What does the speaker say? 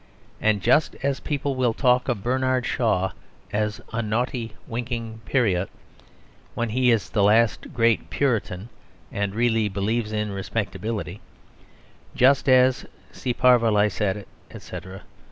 And just as people will talk of Bernard Shaw as a naughty winking Pierrot, when he is the last great Puritan and really believes in respectability; just as (si parva licet etc.)